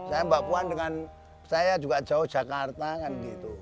saya mbak puan dengan saya juga jauh jakarta kan gitu